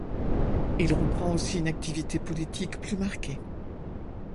Il reprend aussi une activité politique plus marquée.